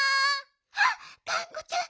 あっがんこちゃん。